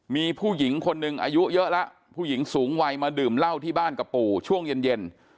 มีผู้หญิงคนหนึ่งอายุเยอะแล้วผู้หญิงสูงวัยมาดื่มเหล้าที่บ้านกับปู่ช่วงเย็น